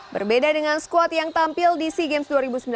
berbeda dengan squad yang tampil di sea games dua ribu sembilan belas